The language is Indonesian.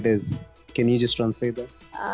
bisa kamu tradisi